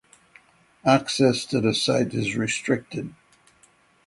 Access to the site is restricted.